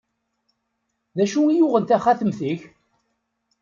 D acu i yuɣen taxatemt-ik?